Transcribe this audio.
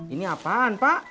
ini apaan pak